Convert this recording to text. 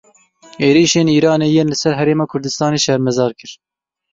Êrişên Îranê yên li ser Herêma Kurdistanê şermezar kir.